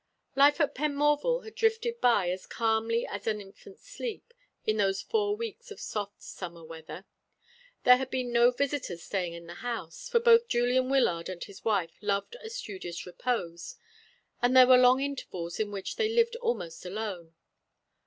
Life at Penmorval had drifted by as calmly as an infant's sleep, in those four weeks of soft summer weather. There had been no visitors staying in the house, for both Julian Wyllard and his wife loved a studious repose, and there were long intervals in which they lived almost alone.